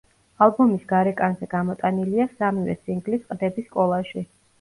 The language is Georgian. ალბომის გარეკანზე გამოტანილია სამივე სინგლის ყდების კოლაჟი.